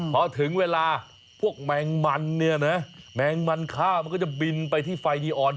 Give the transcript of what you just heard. พอถึงเวลาพวกแมงมันเนี่ยนะแมงมันฆ่ามันก็จะบินไปที่ไฟนีออน